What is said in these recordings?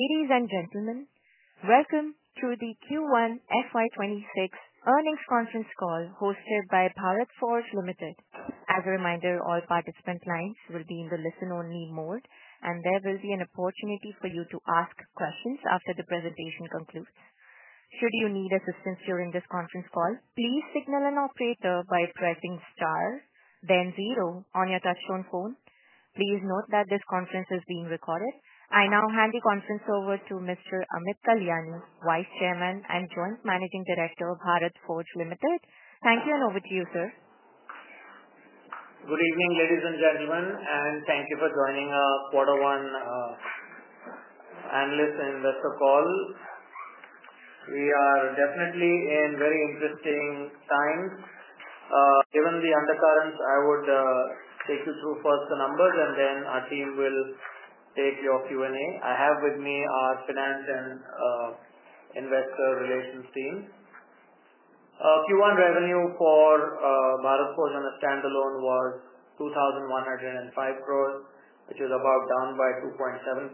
Ladies and gentlemen, welcome to the Q1 FY2026 Earnings Conference Call hosted by Bharat Forge Limited. As a reminder, all participant lines will be in the listen-only mode, and there will be an opportunity for you to ask questions after the presentation concludes. Should you need assistance during this conference call, please signal an operator by pressing star, then zero on your touch-tone phone. Please note that this conference is being recorded. I now hand the conference over to Mr. Amit Kalyani, Vice Chairman and Joint Managing Director of Bharat Forge Limited. Thank you and over to you, sir. Good evening, ladies and gentlemen, and thank you for joining our quarter one analysts in this call. We are definitely in very interesting times. Given the undercurrent, I would take you through first the numbers, and then our team will take your Q&A. I have with me our Finance and Investor Relations team. Q1 revenue for Bharat Forge as a standalone was 2,105 crore, which is down by 2.7%.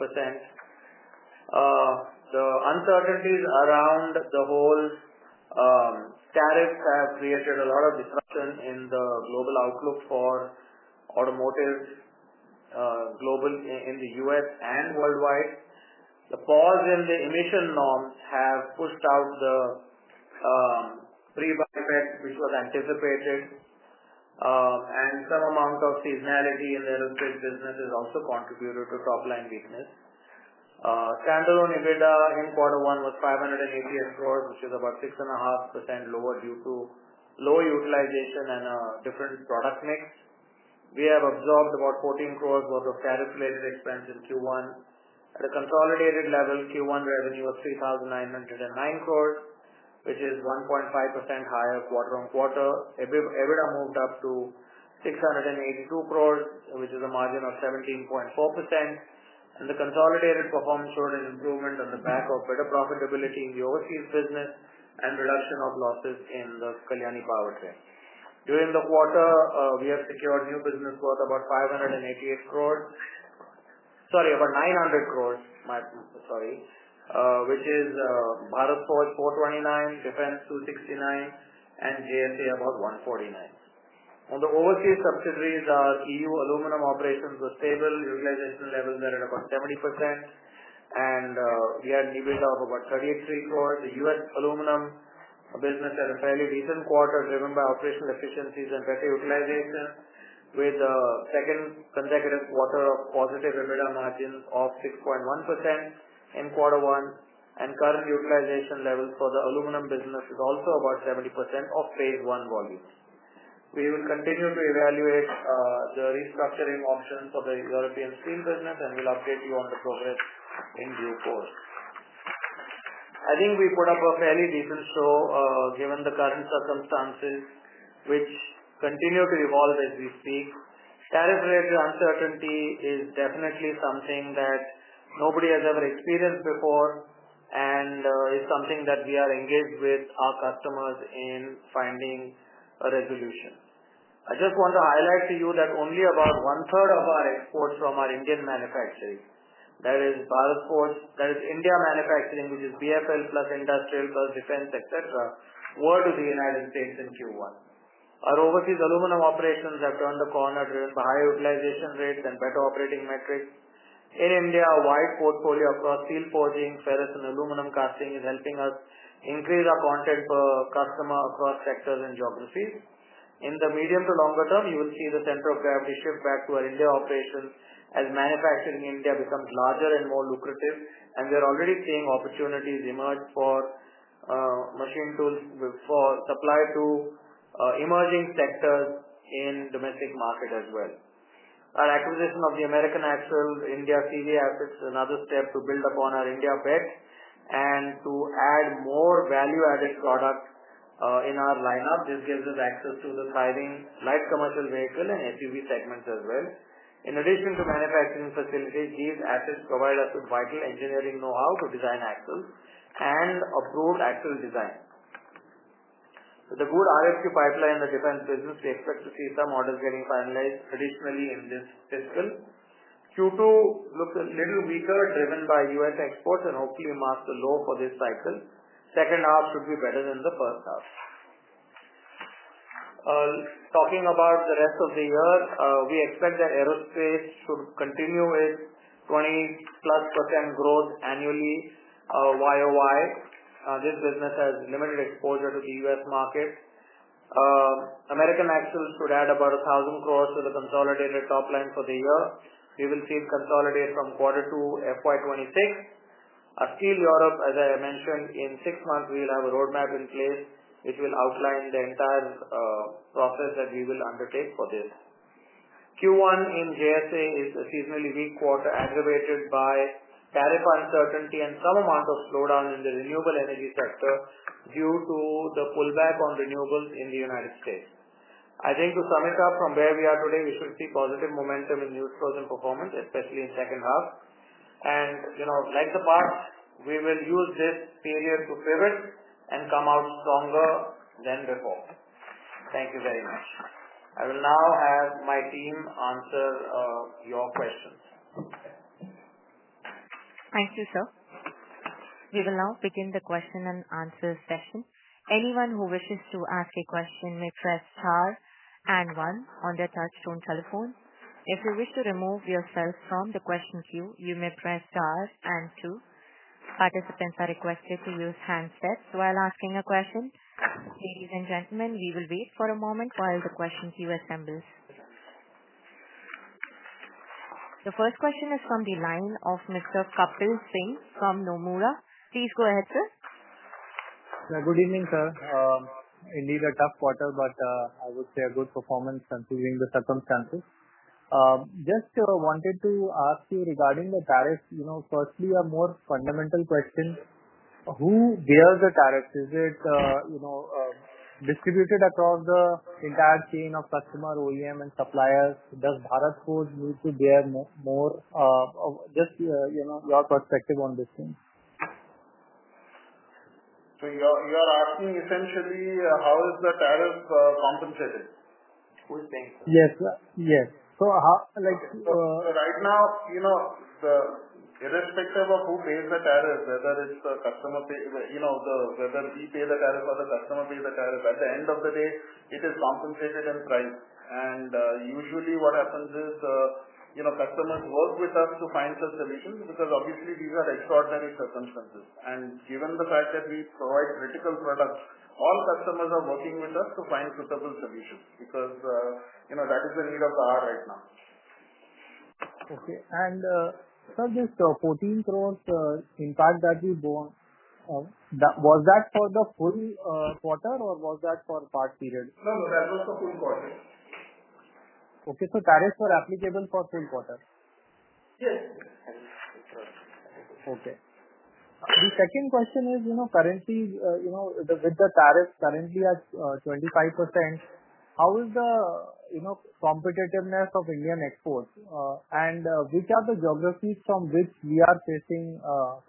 The uncertainties around the whole tariff have created a lot of disruption in the global outlook for automotive globally in the U.S. and worldwide. The pause in the emission norms has pushed out the pre-Budget which was anticipated, and some amount of seasonality in the electric business has also contributed to topline weakness. Standalone EBITDA in quarter one was 588 crore, which is 6.5% lower due to low utilization and a different product mix. We have absorbed about 14 crore worth of tariff-related expense in Q1. At a consolidated level, Q1 revenue was 3,909 crore, which is 1.5% higher quarter-on-quarter. EBITDA moved up to 682 crore, which is a margin of 17.4%. The consolidated performance showed an improvement on the back of better profitability in the overseas business and reduction of losses in the Kalyani powertrain. During the quarter, we have secured new business growth of about 900 crore, which is Bharat Forge 429 crore, Defense 269 crore, and J&T about 149 crore. On the overseas subsidiaries, our EU aluminum operations were stable. Utilization levels are at about 70%, and we had an EBITDA of about 33 crore. The U.S. aluminum business had a fairly decent quarter driven by operational efficiencies and better utilization, with the second consecutive quarter positive EBITDA margins of 6.1% in quarter one. Current utilization levels for the aluminum business is also about 70% of phase I volume. We would continue to evaluate the restructuring options for the European steel business, and we'll update you on the progress in due course. I think we put up a fairly decent show given the current circumstances, which continue to evolve as we speak. Tariff-related uncertainty is definitely something that nobody has ever experienced before, and it's something that we are engaged with our customers in finding a resolution. I just want to highlight to you that only about 1/3 of our exports from our Indian manufacturing, that is Bharat Forge, that is India manufacturing, which is BFL plus industrial plus defense etc., were to the United States in Q1. Our overseas aluminum operations have turned the corner, driven by higher utilization rates and better operating metrics. In India, a wide portfolio across steel forging, ferrous, and aluminum casting is helping us increase our content per customer across sectors and geographies. In the medium to longer term, you will see the center of gravity shift back to our India operations as manufacturing in India becomes larger and more lucrative, and they're already seeing opportunities emerge for machine tools for supply to emerging sectors in the domestic market as well. Our acquisition of the American Axle India CVF is another step to build upon our India breadth and to add more value-added products in our lineup. This gives us access to the sliding light commercial vehicle and SUV segments as well. In addition to manufacturing facilities, these assets provide us with vital engineering know-how to design axles and approve axle design. With the good RFQ pipeline and the different businesses, we expect to see some orders getting finalized traditionally in this cycle. Q2 looks a little weaker, driven by U.S. exports and hopefully a master low for this cycle. The second half should be better than the first half. Talking about the rest of the year, we expect that aerospace should continue with 20+% growth annually, YoY. This business has limited exposure to the U.S. market. American Axle could add about 1,000 crore to the consolidated topline for the year. We will see it consolidate from quarter two FY2026. Our steel Europe, as I mentioned, in six months, we'll have a roadmap in place which will outline the entire process that we will undertake for this. Q1 in JS Auto is a seasonally weak quarter, aggravated by tariff uncertainty and some amount of slowdown in the renewable energy sector due to the pullback on renewables in the United States. I think to sum it up, from where we are today, we should see positive momentum in news flows and performance, especially in the second half. Like the bar, we will use this period to pivot and come out stronger than before. Thank you very much. I will now have my team answer your questions. Thank you, sir. We will now begin the question-and-answer session. Anyone who wishes to ask a question may press star and one on their touch-tone telephone. If you wish to remove yourself from the question queue, you may press star and two. Participants are requested to use handsets while asking a question. Ladies and gentlemen, we will wait for a moment while the question queue assembles. The first question is from the line of Mr. Sapil Singh from Nomura. Please go ahead, sir. Yeah, good evening, sir. Indeed, a tough quarter, but I would say a good performance considering the circumstances. I just wanted to ask you regarding the tariffs. You know, firstly, a more fundamental question. Who bears the tariffs? Is it, you know, distributed across the entire chain of customer, OEM, and suppliers? Does Bharat Forge bear more? Just, you know, your perspective on this thing. You're asking essentially, how is the tariff compensated? Yes, sir. Yes. Right now, irrespective of who pays the tariffs, whether we pay the tariff or the customer pays the tariff, at the end of the day, it is compensated in price. Usually what happens is customers work with us to find some solutions because obviously these are extraordinary circumstances. Given the fact that we provide critical products, all customers are working with us to find suitable solutions because that is the need of the hour right now. Okay. Sir, this INR 14 crore impact that you brought, was that for the whole quarter or was that for a part period? No, no, that was the full quarter. Okay. Tariffs were applicable for the full quarter? Yes. Okay. The second question is, you know, currently, with the tariffs currently at 25%, how is the competitiveness of Indian exports, and which are the geographies from which you are facing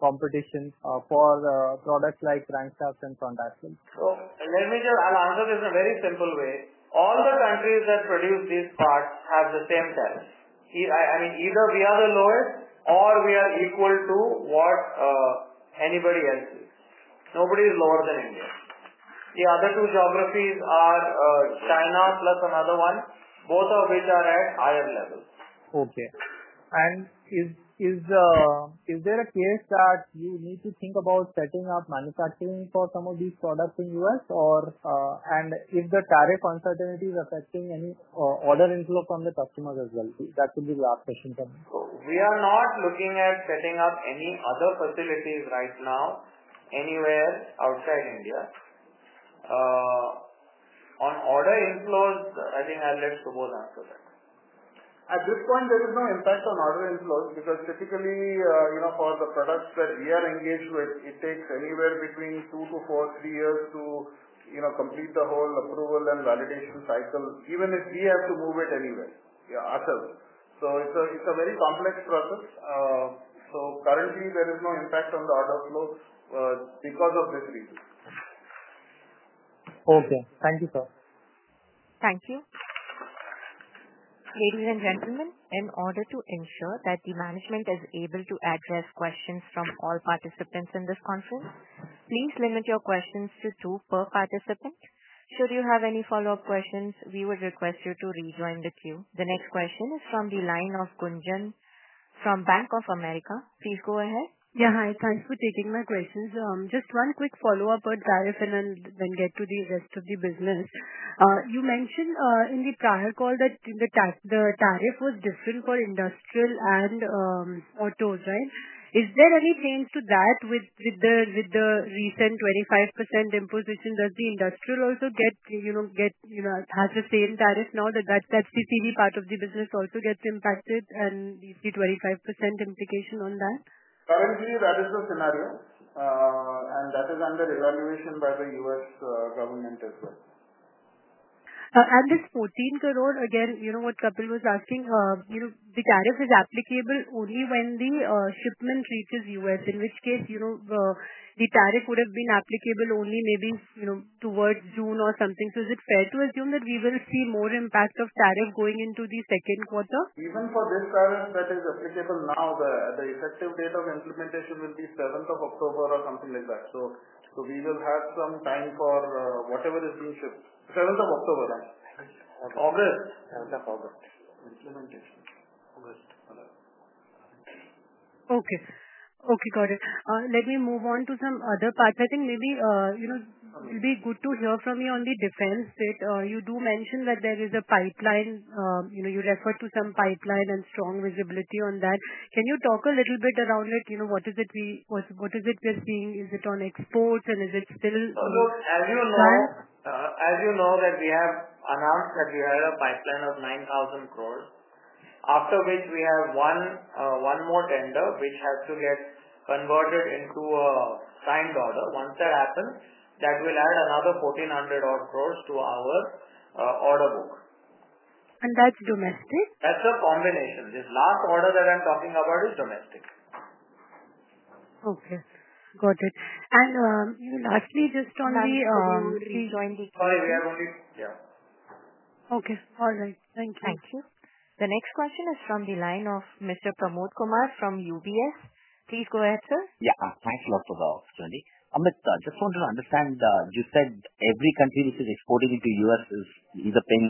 competition for products like crankshafts and contractions? I'll answer this in a very simple way. All the countries that produce these parts have the same tariffs. I mean, either we are the lowest or we are equal to what anybody else is. Nobody is lower than India. The other two geographies are China plus another one, both of which are at higher levels. Is there a case that you need to think about setting up manufacturing for some of these products in the US, and if the tariff uncertainty is affecting any order inflow from the customers as well? That would be the last question from me. We are not looking at setting up any other facilities right now anywhere outside India. On order inflows, I think I'll let Subodh answer that. At this point, there is no impact on order inflows because typically, you know, for the products that we are engaged with, it takes anywhere between two to four, three years to, you know, complete the whole approval and validation cycle, even if we have to move it anywhere ourselves. It is a very complex process, so currently, there is no impact on the order flow because of this reason. Okay. Thank you, sir. Thank you. Ladies and gentlemen, in order to ensure that the management is able to address questions from all participants in this conference, please limit your questions to two per participant. Should you have any follow-up questions, we would request you to rejoin the queue. The next question is from the line of Gunjan from Bank of America. Please go ahead. Yeah, hi. Thanks for taking my questions. Just one quick follow-up on tariff and then we'll get to the rest of the business. You mentioned in the prior call that the tariff was different for industrial and autos, right? Is there any change to that with the recent 25% imposition? Does the industrial also get, you know, has the same tariff now, that the TV part of the business also gets impacted and we see 25% implication on that? Currently, that is the scenario, and that is under evaluation by the U.S. government as well. This 14 crore, again, you know what Kedar Dixit was asking, the tariff is applicable only when the shipment reaches the U.S., in which case the tariff would have been applicable only maybe towards June or something. Is it fair to assume that we will see more impact of tariff going into the second quarter? Even for this tariff that is applicable now, the effective date of implementation will be 7th of October or something like that. We will have some time for whatever is being shipped. 7th of October, right? August. 7th of August. Okay, got it. Let me move on to some other parts. I think maybe it would be good to hear from you on the defense. You do mention that there is a pipeline, you referred to some pipeline and strong visibility on that. Can you talk a little bit around it? What is it, what is it just being? Is it on exports and is it still? As you know, we have announced that we had a pipeline of 9,000 crores, after which we have won one more tender, which has to get converted into a signed order. Once that happens, that will add another 1,400 crores to our order book. That's domestic? That's a combination. This last order that I'm talking about is domestic. Okay. Got it. You lastly just told me, rejoin the queue. Sorry, we are only, yeah. Okay. All right. Thank you. Thank you. The next question is from the line of Mr. Pramod Kumar from UBS. Please go ahead, sir. Yeah, thanks a lot for the study. Amit, I just wanted to understand, you said every country which is exporting into the U.S. is either paying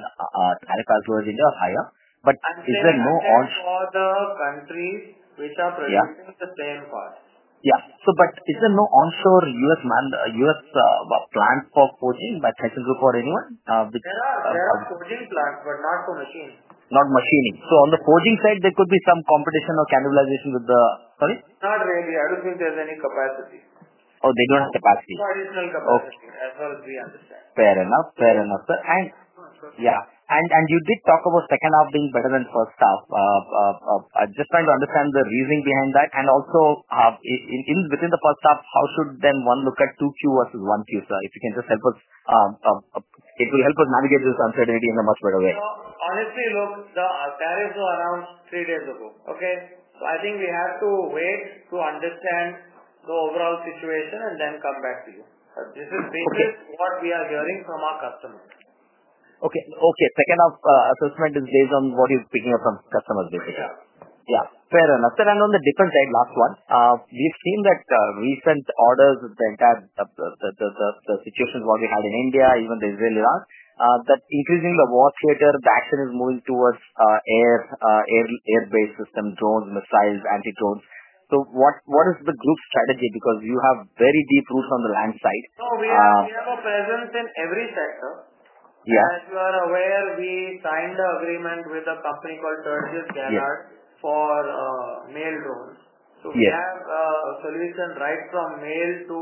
tariff as well as India or higher. Is there no? All the countries which are producing at the same cost. Is there no onshore U.S. plants for forging by technical core anyone? There are forging plants, but not for machines. Not machines. On the forging side, there could be some competition or cannibalization with the, sorry? Not really. I don't think there's any capacity. Oh, they don't have capacity. No additional capacity as far as we understand. Fair enough, sir. You did talk about second half being better than first half. I'm just trying to understand the reasoning behind that. Also, within the first half, how should one look at 2Qs versus 1Q, sir, if you can just help us navigate this uncertainty in a much better way? Honestly, look, the tariffs were around three days ago, okay? I think we have to wait to understand the overall situation and then come back to you. This is basically what we are hearing from our customers. Okay. Second half assessment is based on what he's picking up from customers, basically. Yeah. Yeah. Fair enough. Sir, on the different side, last one, we've seen that recent orders with the entire situation we had in India, even the Israel-Iraq, that increasing the war theater, the action is moving towards air, air-based system, drone, missiles, anti-drone. What is the group's strategy? Because you have very deep roots on the land side. No, we have a presence in every sector. As you are aware, we signed the agreement with a company called Turgis Gaillard for nail drones. We have a solution right from nail to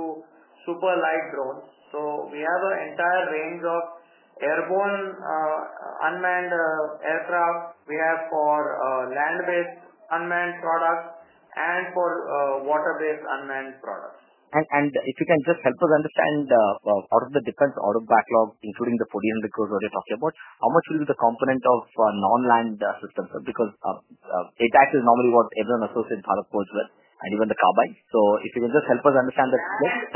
super light drone. We have an entire range of airborne unmanned aircraft. We have for land-based unmanned products and for water-based unmanned products. If you can just help us understand, what are the different order backlogs, including the 14 crore that you're talking about, how much will be the component of non-land systems? ATACMS is normally what everyone associates Bharat Forge with, and even the carbides. If you can just help us understand that next.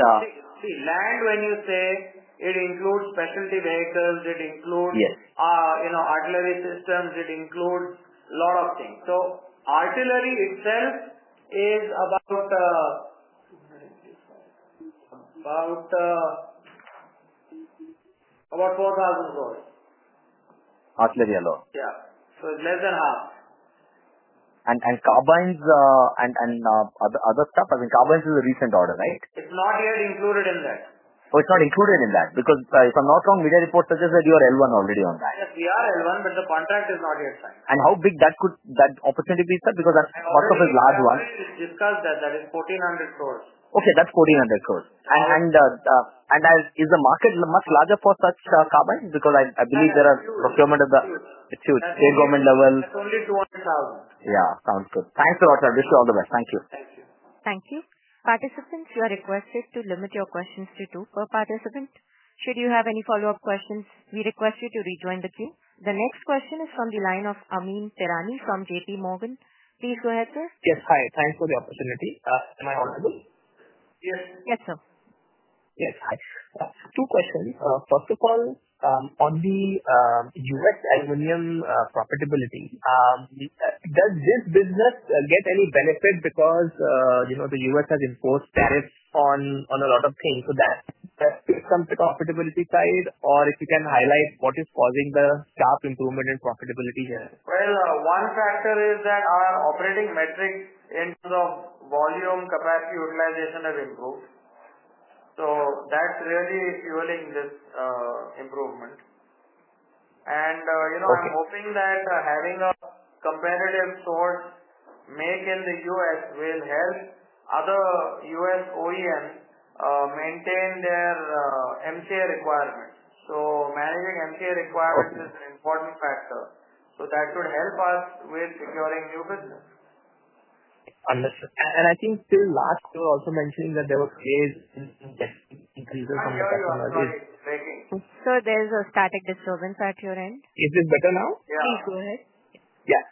See, land, when you say, it includes facility vehicles. It includes, you know, artillery systems. It includes a lot of things. Artillery itself is about INR 4,000 crore. Artillery alone? Yeah, it's less than half. Carbides and other stuff? Carbides is a recent order, right? It's not yet included in that. Oh, it's not included in that? Because if I'm not wrong, media reports suggest that you are L1 already on. Yes, we are L1, but the contract is not yet signed. How big could that opportunity be? Because that's a large one. I believe it's discussed that is 1,400 crore. Okay. That's 1,400 crore. Is the market much larger for such carbides? I believe there are procurement of the, it's huge, state government level. It's only 200,000. Yeah, sounds good. Thanks a lot, sir. I wish you all the best. Thank you. Thank you. Participants, the request is to limit your questions to two per participant. Should you have any follow-up questions, we request you to rejoin the queue. The next question is from the line of Amyn Pirani from JPMorgan. Please go ahead, sir. Yes, hi. Thanks for the opportunity. Am I on the call? Yes. Yes, sir. Yes, hi. Two questions. First of all, on the U.S. aluminum profitability, does this business get any benefit because you know the U.S. has imposed tariffs on a lot of things? That has some profitability tied, or if you can highlight what is causing the sharp improvement in profitability here? One factor is that our operating metrics instead of volume capacity utilization have improved. That's really fueling this improvement. I'm hoping that having a competitive source made in the U.S. will help other U.S. OEMs maintain their MCA requirements. Managing MCA requirements is an important factor. That would help us with securing new business. I think still last year you were also mentioning that there were sales increases from. Sorry, go ahead. Go ahead. Sir, there's a static disturbance at your end. Is it better now? Please go ahead.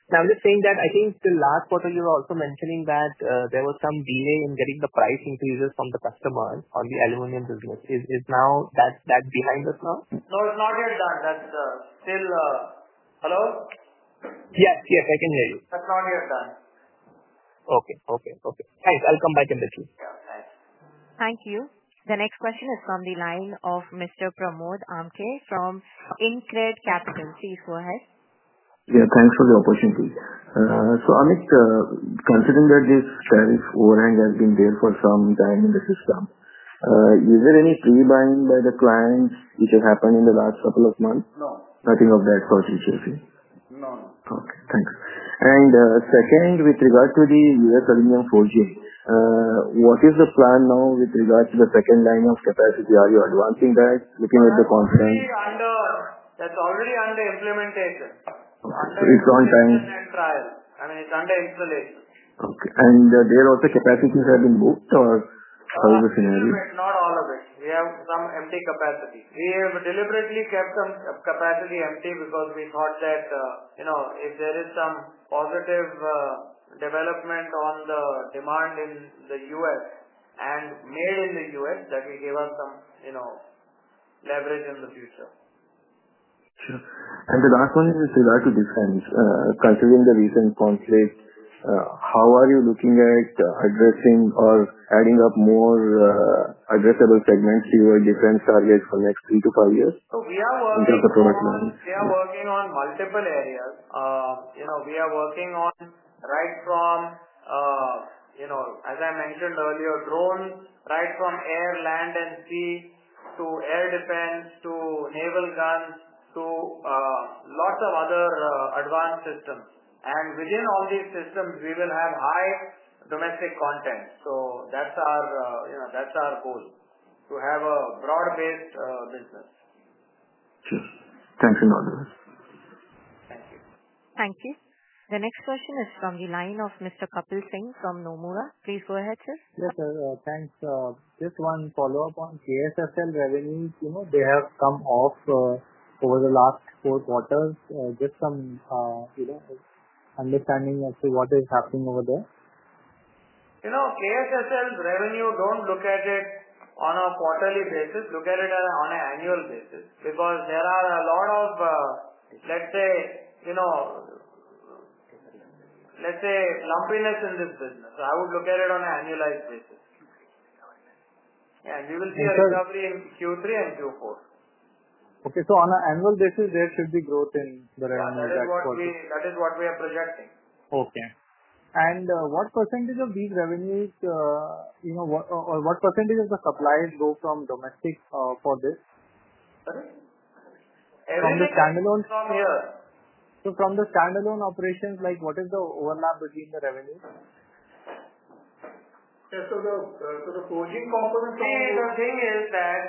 I'm just saying that I think the last quarter you were also mentioning that there were some delays in getting the price increases from the customer on the aluminum business. Is that behind us now? No, it's not yet done. That's still—hello? Yes, yes, I can hear you. That's not yet done. Okay. Thanks. I'll come back in the queue. Yeah, thanks. Thank you. The next question is from the line of Mr. Pramod Amthe from InCred Capital. Please go ahead. Yeah, thanks for the opportunity. Amit, considering that this tariff overhang has been there for some time in the system, is there any prebuying by the clients? Has it happened in the last couple of months? No. Nothing of that sort, you said, see? No, no. Okay. Thanks. Second, with regard to the U.S. aluminum forging, what is the plan now with regard to the second line of capacity? Are you advancing that, looking at the contracts? That's already under implementation. It's on time. It's under implementation. Okay. There are also capacities that have been moved, or how is the scenario? Not all of it. We have some empty capacity. We have deliberately kept some capacity empty because we thought that, you know, if there is some positive development on the demand in the U.S. and mail in the U.S., that gave us some, you know, leverage in the future. Sure. The last one with regard to defense, considering the recent conflict, how are you looking at addressing or adding up more addressable segments to your defense targets for the next three to five years? We are working on. In terms of product lines. We are working on multiple areas. We are working on, as I mentioned earlier, drones, right from air, land, and sea to air defense to naval guns to lots of other advanced systems. Within all these systems, we will have high domestic content. That's our goal to have a broad-based business. Sure, thanks a lot. Thank you. Thank you. The next question is from the line of Mr. Kapil Singh from Nomura. Please go ahead, sir. Yes, sir. Thanks. Just one follow-up on KSSL revenues. You know, they have come off over the last four quarters. Just some understanding as to what is happening over there. You know, KSSL's revenue, don't look at it on a quarterly basis. Look at it on an annual basis because there is a lot of lumpiness in this business. I would look at it on an annualized basis. Okay. Yeah, you will see a recovery in Q3 and Q4. Okay, on an annual basis, there should be growth in the revenue. That is what we are projecting. Okay. What percentage of these revenues, you know, or what percentage of the supplies go from domestic for this? Everything. From the standalone. From here. From the standalone operations, what is the overlap between the revenue? Yeah, the forging component of. See, the thing is that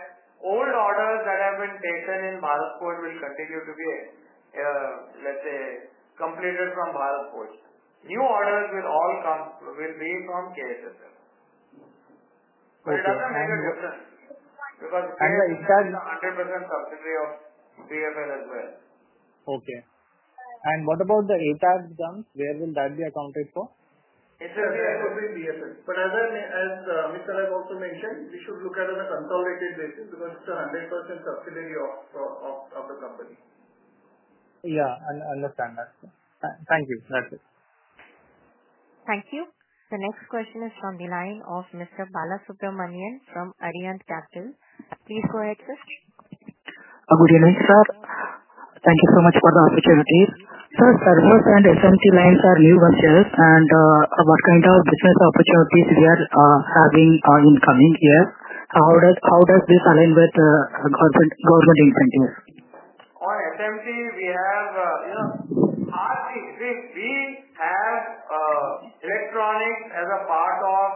old orders that have been taken in Bharat Forge Limited will continue to be, let's say, completed from Bharat Forge Limited. New orders will all come, will be from KSSL. It is at 100% subsidiary of Bharat Forge Limited as well. Okay. What about the ATACMS done? Where will that be accounted for? It will be accounted for in Bharat Forge Limited. As Amit Kalyani has also mentioned, we should look at it on a consolidated basis because it's a 100% subsidiary of the company. Yeah, I understand that. Thank you. Thank you. The next question is from the line of Mr. Balasubramanian from Arihant Capital. Please go ahead, sir. Good evening, sir. Thank you so much for the opportunity. Sir, service and SMC lines are new ones here, and what kind of business opportunities are we having in the coming years? How does this align with the government aims, indeed? Our SMCs, we have electronics as a part of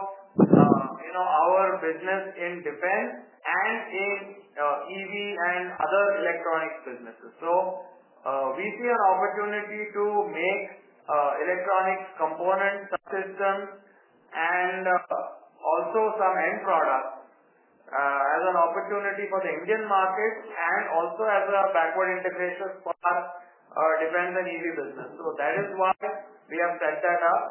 our business in defense and in EV and other electronics businesses. We see an opportunity to make electronics components, subsystems, and also some end products as an opportunity for the Indian market and also as a backward integration for defense and EV business. That is what we have set that up.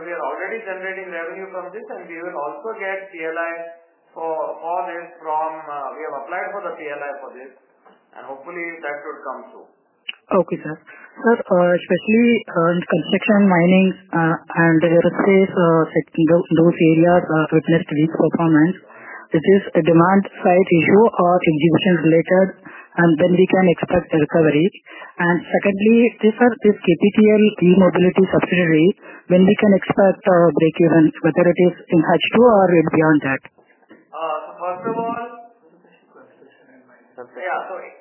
We are already generating revenue from this, and we will also get TLIs for all this. We have applied for the TLI for this. Hopefully, that would come soon. Okay, sir. Sir, especially in construction, mining, and aerospace, those areas are prepared to reach performance because the demand side issue of existing related and don't become exposed to recovery. Secondly, sir, this e-mobility subsidiary, when we can expect breakevens, whether it is in H2 or beyond that?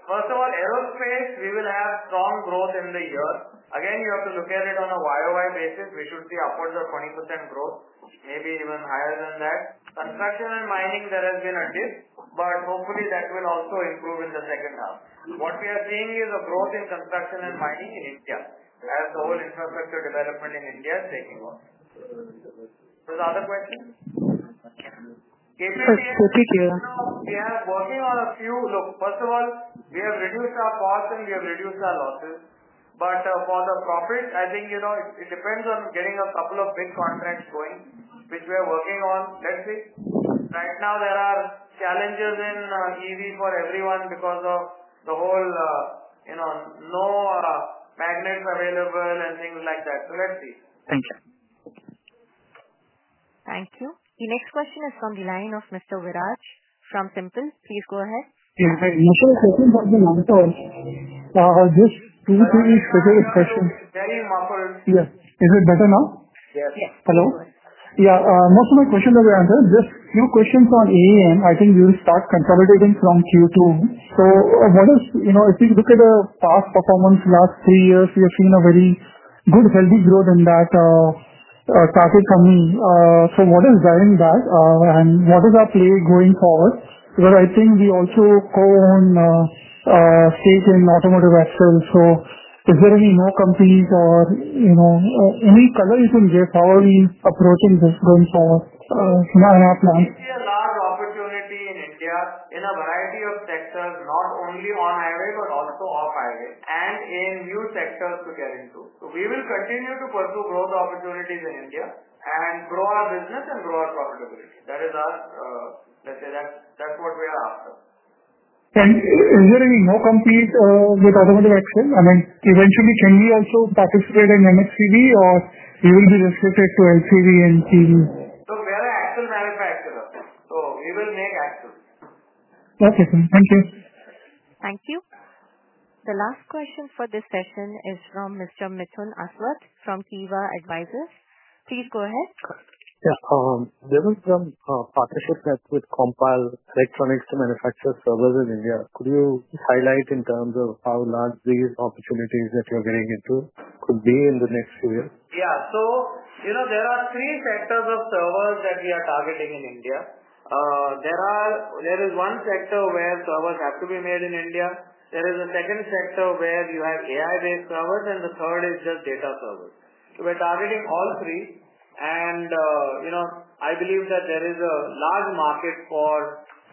First of all, aerospace, we will have strong growth in the year. Again, you have to look at it on a YoY basis. We should see upwards of 20% growth, maybe even higher than that. Construction and mining, there has been a dip, but hopefully, that will also improve in the second half. What we are seeing is a growth in construction and mining in India, as the whole infrastructure development in India is taking off. The other question? Yeah. We are working on a few. First of all, we have reduced our costs and we have reduced our losses. For the profit, I think it depends on getting a couple of big contracts going, which we are working on. Let's see. Right now, there are challenges in EV for everyone because of the whole, you know, no magnets available and things like that. Let's see. Thank you. Thank you. The next question is from the line of Mr. Viraj from SIMPL. Please go ahead. Yeah, hi. My question is something long-term. Just two pretty specific questions. Yes. Is it better now? Yes. Yes. Hello? Yeah. Most of my questions will be answered. Just a few questions on American Axle India CVF. I think we will start consolidating from Q2. If you look at the past performance last three years, we have seen a very good, healthy growth in that, traffic from, so what is driving that? Where does that play going forward? I think we also focus on stake in automotive actually. Is there any more companies or any colors in this? How are we approaching this growth path? We see a large opportunity in India in a variety of sectors, not only on highway but also off-highway and in new sectors to get into. We will continue to pursue growth opportunities in India and grow our business and grow our profitability. That is what we are after. Are there any more companies with automotive axles? I mean, eventually, can we also participate in MSCV or will we be restricted to L3D and TD? We are an axle manufacturer. We will make axles. Okay. Thank you. Thank you. The last question for this session is from Mr. Mithun Aswath from Kiva Advisors. Please go ahead. Yeah. Driven from a partnership with Compile Electronics to manufacture servers in India, could you highlight in terms of how large these opportunities that you're getting into could be in the next few years? Yeah. There are three sectors of servers that we are targeting in India. There is one sector where servers have to be made in India. There is a second sector where you have AI-based servers, and the third is just data servers. We're targeting all three. I believe that there is a large market for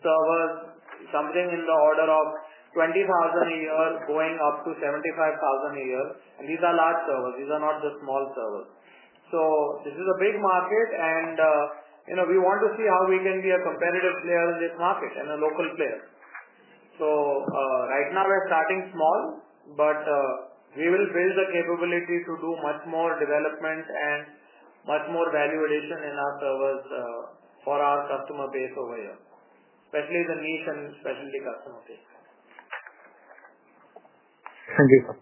servers, something in the order of 20,000 a year, going up to 75,000 a year. These are large servers. These are not just small servers. This is a big market, and we want to see how we can be a competitive player in this market and a local player. Right now, we're starting small, but we will build the capability to do much more development and much more valuation in our servers, for our customer base over here, especially the niche and specialty customer base. Thank you, sir.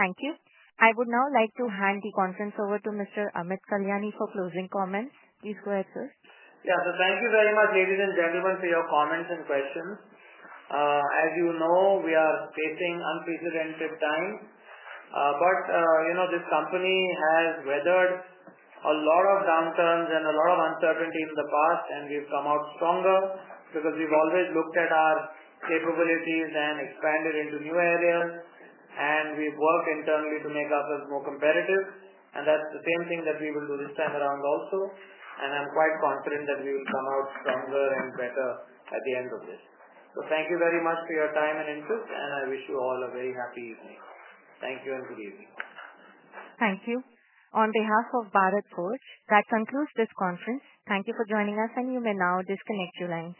Thank you. I would now like to hand the conference over to Mr. Amit Kalyani for closing comments. Please go ahead, sir. Thank you very much, ladies and gentlemen, for your comments and questions. As you know, we are facing unprecedented times. This company has weathered a lot of downturns and a lot of uncertainty in the past, and we've come out stronger because we've always looked at our capabilities and expanded into new areas. We've worked internally to make ourselves more competitive. That's the same thing that we will do this time around also. I'm quite confident that we will come out stronger and better at the end of this. Thank you very much for your time and interest, and I wish you all a very happy evening. Thank you and good evening. Thank you. On behalf of Bharat Forge, that concludes this conference. Thank you for joining us, and you may now disconnect your lines.